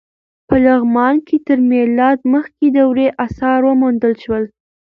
په لغمان کې تر میلاد مخکې دورې اثار وموندل شول.